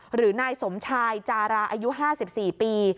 หรือนายสมชายจาราอายุ๕๔ปี